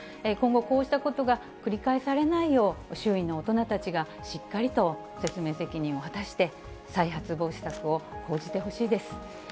今後、こうしたことが繰り返されないよう、周囲の大人たちがしっかりと説明責任を果たして、再発防止策を講じてほしいです。